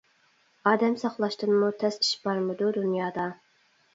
ئادەم ساقلاشتىنمۇ تەس ئىش بارمىدۇ دۇنيادا؟